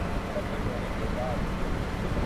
برتن دھونے کے بعد